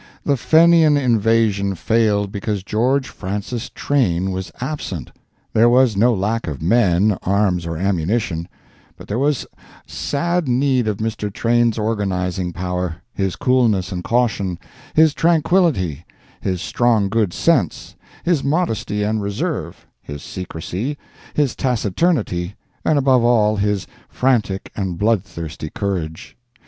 The Fenian invasion failed because George Francis Train was absent. There was no lack of men, arms, or ammunition, but there was sad need of Mr. Train's organizing power, his coolness and caution, his tranquillity, his strong good sense, his modesty and reserve, his secrecy, his taciturnity and above all his frantic and bloodthirsty courage.